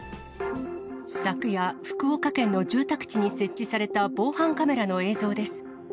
昨夜、福岡県の住宅地に設置された防犯カメラの映像です。